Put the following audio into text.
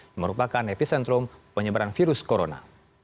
yang merupakan epicentrum penyebaran virus corona